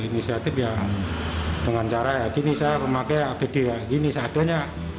inisiatif ya dengan cara ya gini saya memakai abd ya gini saya adanya